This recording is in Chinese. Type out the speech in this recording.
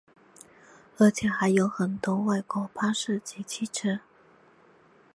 而且还有很多外国巴士及汽车。